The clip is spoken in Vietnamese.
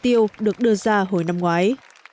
chi tiêu được đưa ra hồi năm ngoái